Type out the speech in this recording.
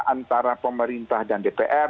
antara pemerintah dan dpr